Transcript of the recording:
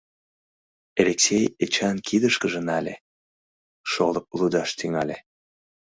Элексей Эчан кидышкыже нале, шолып лудаш тӱҥале.